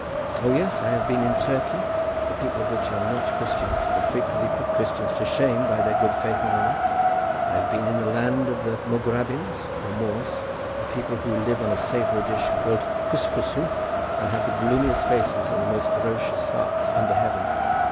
"O yes! I have been in Turkey, the people of which are not Christians, but frequently put Christians to shame by their good faith and honesty. I have been in the land of the Maugrabins, or Moors—a people who live on a savoury dish, called couscousoo, and have the gloomiest faces and the most ferocious hearts under heaven.